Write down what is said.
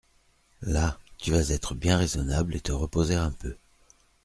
Là, tu vas être bien raisonnable et te reposer un peu.